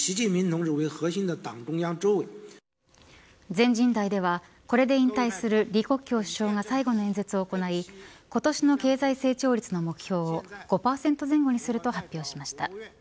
全人代ではこれで引退する李克強首相が最後の演説を行い今年の経済成長率の目標を５％前後にすると発表しました。